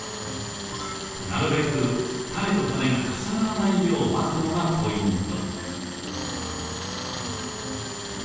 なるべく種と種が重ならないようまくのがポイント。